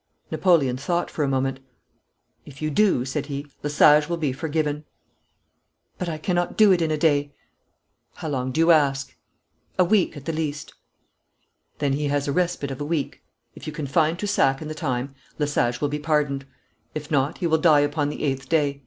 Napoleon thought for a moment. 'If you do,' said he, 'Lesage will be forgiven!' 'But I cannot do it in a day.' 'How long do you ask?' 'A week at the least.' 'Then he has a respite of a week. If you can find Toussac in the time, Lesage will be pardoned. If not he will die upon the eighth day.